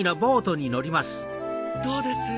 どうです？